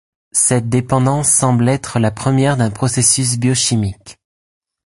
Cette dépendance semble être la première d'un processus biochimique.